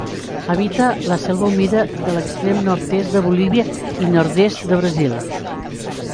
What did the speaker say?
Habita la selva humida de l'extrem nord-est de Bolívia i nord-est de Brasil.